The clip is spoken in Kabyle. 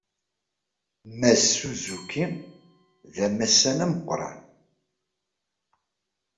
Mass Suzuki d amassan ameqran.